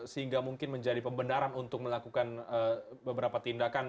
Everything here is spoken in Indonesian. sehingga mungkin menjadi pembenaran untuk melakukan beberapa tindakan